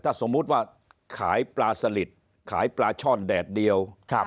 ถ้าสมมุติว่าขายปลาสลิดขายปลาช่อนแดดเดียว